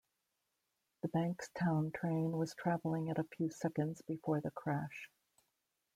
The Bankstown train was travelling at a few seconds before the crash.